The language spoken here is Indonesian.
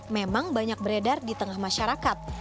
memang banyak beredar di tengah masyarakat